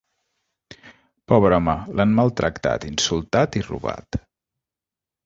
Pobre home, l'han maltractat, insultat i robat.